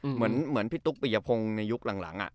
เหมือนพี่ตุ๊กปิยพงศ์ในยุคหลัง